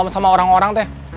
sama orang orang teh